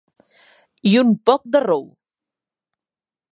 I un poc de rou.